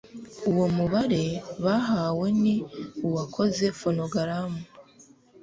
uwo mubare bahawe n uwakoze fonogaramu